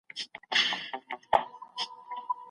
ته اوس هم په خپل ټیلیفون بوخت یې، که څه هم خوب باید وکړې؟